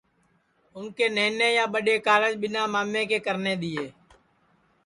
اُن کے نہنے یا ٻڈؔے کارج ٻیٹؔا مامے کے کرنے دؔیئے